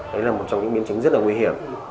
đấy là một trong những biến chứng rất là nguy hiểm